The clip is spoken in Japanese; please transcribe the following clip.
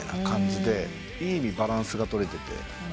いい意味バランスが取れてて。